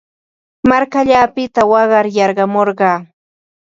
Markallaapiq waqar yarqamurqaa.